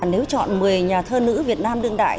nếu chọn một mươi nhà thơ nữ việt nam đương đại